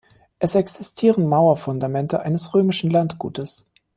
Es existieren Mauerfundamente eines römischen Landgutes.